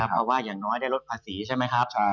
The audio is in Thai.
เพราะว่าอย่างน้อยได้ลดภาษีใช่ไหมครับ